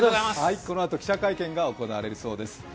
このあと記者会見が行われるそうです。